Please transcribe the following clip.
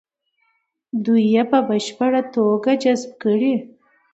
دوی یې په بشپړه توګه جذب کړي.